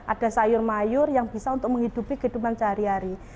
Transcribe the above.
ada sayur mayur yang bisa untuk menghidupi kehidupan sehari hari